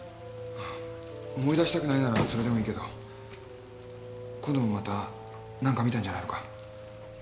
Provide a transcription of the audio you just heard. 思い出したくないならそれでもいいけど今度もまた何か見たんじゃないのか？